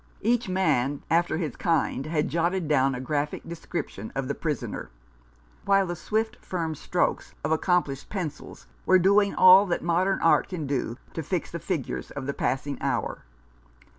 Each man after his kind had jotted down a graphic description of the prisoner; while the swift firm strokes of accomplished pencils were doing all that modern art can do to fix the figures of the passing hour.